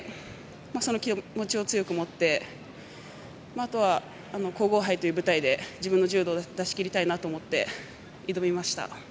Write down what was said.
その気持ちを強く持ってあとは、皇后杯という舞台で自分の柔道を出し切りたいなという思いで挑みました。